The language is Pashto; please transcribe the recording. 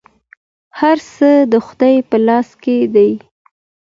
هر څه د خدای په لاس کي دي .